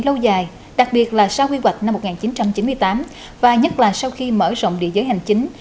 lâu dài đặc biệt là sau quy hoạch năm một nghìn chín trăm chín mươi tám và nhất là sau khi mở rộng địa giới hành chính